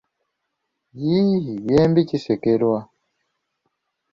Yiiii byembi bisekerwa!